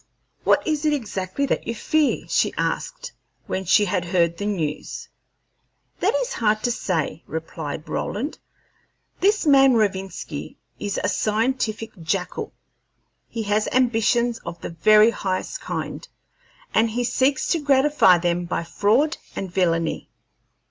"What is it exactly that you fear?" she asked, when she had heard the news. "That is hard to say," replied Roland. "This man Rovinski is a scientific jackal; he has ambitions of the very highest kind, and he seeks to gratify them by fraud and villainy.